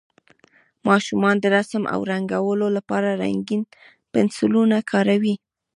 ماشومان د رسم او رنګولو لپاره رنګین پنسلونه کاروي.